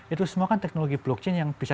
itu semua kan teknologi blockchain yang bisa